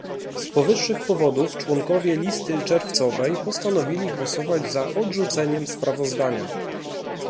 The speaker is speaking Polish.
Z powyższych powodów członkowie Listy Czerwcowej postanowili głosować za odrzuceniem sprawozdania